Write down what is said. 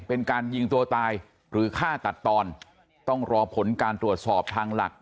เป็นการยิงตัวตายหรือฆ่าตัดตอนต้องรอผลการตรวจสอบทางหลัก